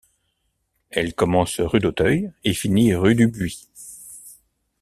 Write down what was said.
Elle commence rue d'Auteuil et finit rue du Buis.